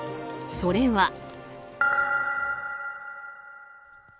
それは。